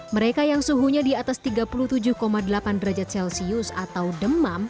mereka yang suhunya di atas tiga puluh tujuh delapan derajat celcius atau demam